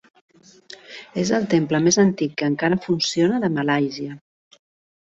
És el temple més antic que encara funciona de Malàisia.